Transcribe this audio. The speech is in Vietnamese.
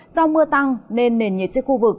do mưa tăng nên nền nhiệt trên khu vực